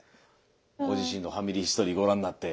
ご自身の「ファミリーヒストリー」ご覧になって？